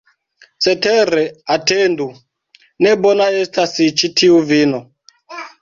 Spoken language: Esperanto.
Cetere atendu, ne bona estas ĉi tiu vino!